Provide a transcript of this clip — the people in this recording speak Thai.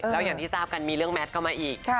แล้วอย่างที่ทราบกันมีเรื่องแมทเข้ามาอีก